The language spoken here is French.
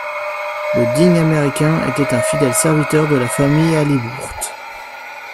Le digne Américain était un fidèle serviteur de la famille Halliburtt.